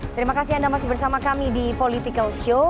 terima kasih anda masih bersama kami di political show